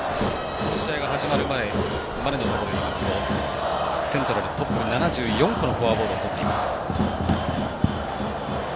この試合が始まる前までのところでいいますとセントラルトップ、７４個のフォアボールをとっています。